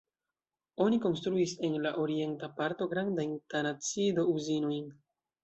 Oni konstruis en la orienta parto grandajn tanacido-uzinojn.